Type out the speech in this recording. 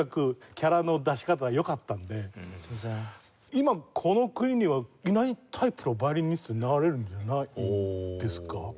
今この国にはいないタイプのヴァイオリニストになれるんじゃないですか。